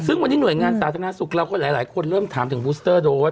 ซึ่งวันนี้หน่วยงานสาธารณสุขเราก็หลายคนเริ่มถามถึงบูสเตอร์โดส